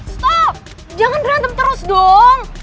stop jangan berantem terus dong